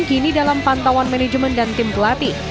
kini dalam pantauan manajemen dan tim pelatih